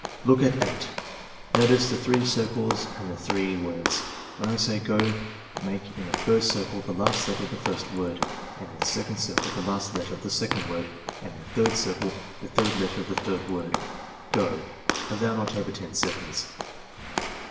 Look at 8. Notice the three circles and the three words. When I say 'go' make in the first circle the last letter of the first word; in the second circle the last letter of the second word and in the third circle the third letter of the Oiird word. — Go!" (Allow not over 10 seconds.)